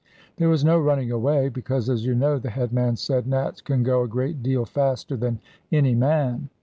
There was no running away, because, as you know, the headman said, Nats can go a great deal faster than any man.